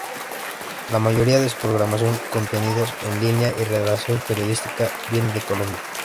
La mayoría de su programación, contenidos en línea y redacción periodística viene de Colombia.